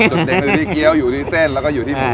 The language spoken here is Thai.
จุดเด่นคือที่เกี้ยวอยู่ที่เส้นแล้วก็อยู่ที่หมู